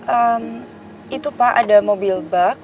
ehm itu pak ada mobil bak